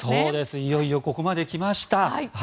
いよいよここまで来ました。